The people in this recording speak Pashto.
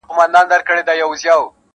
دا کيسه غميزه انځوروي,